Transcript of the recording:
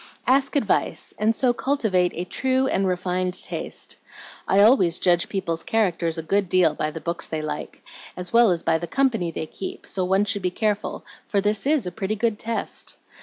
"Ask advice, and so cultivate a true and refined taste. I always judge people's characters a good deal by the books they like, as well as by the company they keep; so one should be careful, for this is a pretty good test.